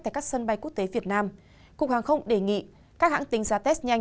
tại các sân bay quốc tế việt nam cục hàng không đề nghị các hãng tính ra test nhanh